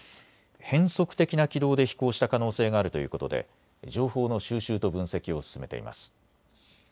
変則的な軌道で飛行した可能性があるということで情報の収集と分析を進めています。